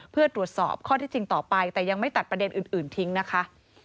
เพื่อตรวจสอบข้อที่จริงต่อไปแต่ยังไม่ตัดประเด็นอื่นทิ้งนะคะ